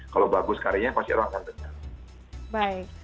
kalau bagus karirnya pasti orang akan berjalan